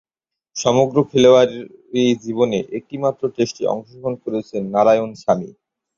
সমগ্র খেলোয়াড়ী জীবনে একটিমাত্র টেস্টে অংশগ্রহণ করেছেন নারায়ণ স্বামী।